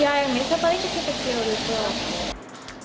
ya yang bisa paling kecil kecil gitu lah